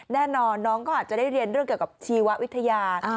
แน่นอนน้องก็อาจจะได้เรียนเรื่องเกี่ยวกับชีววิทยา